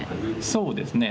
そうですね。